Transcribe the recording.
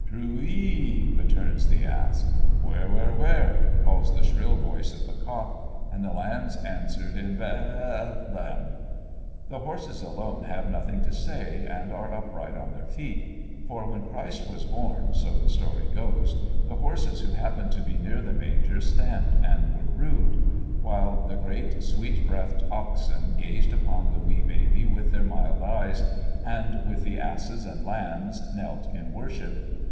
"True e e," returns the ass. "Where, where, where?" calls the shrill voice of the cock and the lambs answer, "In Be e t t 'lem!" The horses alone have nothing to say, and are upright on their feet; for when Christ was born, so the story goes, the horses who happened to be near the manger stamped and were rude, while the great, sweet breathed oxen gazed upon the wee Baby with their mild eyes, and, with the asses and lambs, knelt in worship.